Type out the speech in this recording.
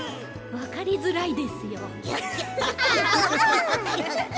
わかりづらいですよ。